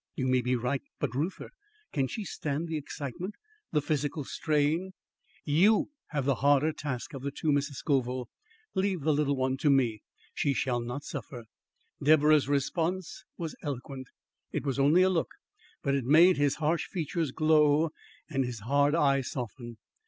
"You may be right. But Reuther? Can she stand the excitement the physical strain?" "You have the harder task of the two, Mrs. Scoville. Leave the little one to me. She shall not suffer." Deborah's response was eloquent. It was only a look, but it made his harsh features glow and his hard eye soften.